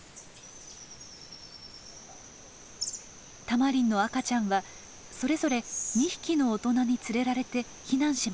タマリンの赤ちゃんはそれぞれ２匹の大人に連れられて避難しました。